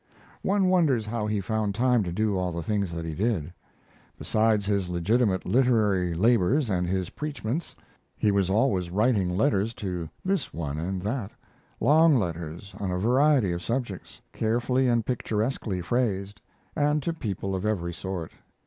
One wonders how he found time to do all the things that he did. Besides his legitimate literary labors and his preachments, he was always writing letters to this one and that, long letters on a variety of subjects, carefully and picturesquely phrased, and to people of every sort.